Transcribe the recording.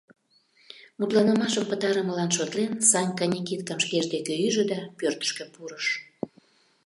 Мутланымашым пытарымылан шотлен, Санька Никиткам шкеж деке ӱжӧ да пӧртышкӧ пурыш.